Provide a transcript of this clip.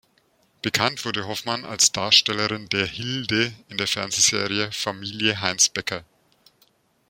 Bekannt wurde Hoffmann als Darstellerin der "Hilde" in der Fernsehserie "Familie Heinz Becker".